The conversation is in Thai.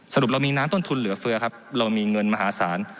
เรามีน้ำต้นทุนเหลือเฟือครับเรามีเงินมหาศาล